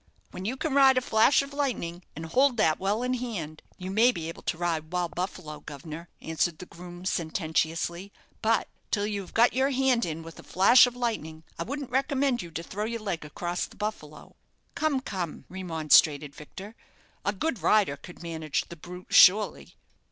"When you can ride a flash of lightning, and hold that well in hand, you may be able to ride 'Wild Buffalo,' guv'nor," answered the groom, sententiously; "but till you have got your hand in with a flash of lightning, I wouldn't recommend you to throw your leg across the 'Buffalo.'" "Come, come," remonstrated Victor, "a good rider could manage the brute, surely?"